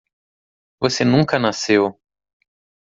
Você nunca nasceu.